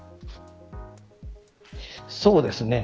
そうですね。